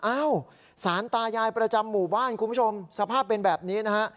อ้าวสารตายายประจำหมู่บ้านคุณผู้ชมสภาพเป็นแบบนี้นะฮะ